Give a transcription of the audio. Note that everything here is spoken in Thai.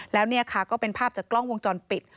แล้วเนี่ยค่ะก็เป็นภาพจากกล้องวงจรปิด